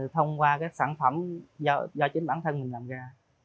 thông qua các sản phẩm do chính bản thân mình làm ra